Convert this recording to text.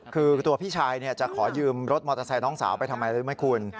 คือตัวพี่ชายจะขอยืมรถมอเตอร์ไซค์น้องสาวไปทำไมรู้ไหมคุณ